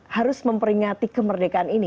harus memperingati kemerdekaan ini